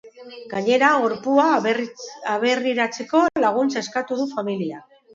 Gainera, gorpua aberriratzeko laguntza eskatu du familiak.